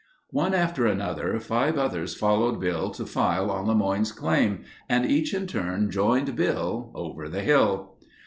One after another, five others followed Bill to file on LeMoyne's claim and each in turn joined Bill over the hill.